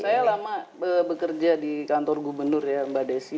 saya lama bekerja di kantor gubernur ya mbak desi